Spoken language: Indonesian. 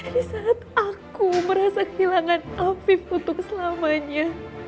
di saat aku merasa kehilangan afif untuk selamanya